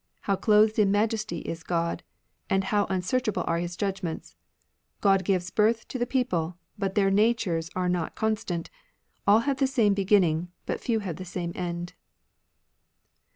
How clothed in majesty is God, And how unsearchable eare His judgments ! God gives birth to the people. But their natures are not constant ; All have the same beginning. But few have the same end.